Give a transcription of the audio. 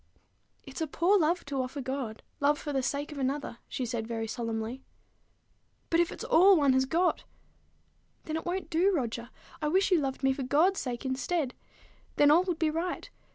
"It's a poor love to offer God, love for the sake of another," she said very solemnly. "But if it's all one has got?" "Then it won't do, Roger. I wish you loved me for God's sake instead. Then all would be right.